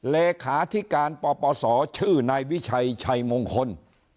แหลคาที่การปปสชื่อนายวิชัยชัยมงคล